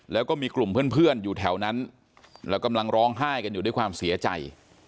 แล้วก็มีกลุ่มเพื่อนอยู่แถวนั้นแล้วกำลังร้องไห้กันอยู่ด้วยความเสียใจ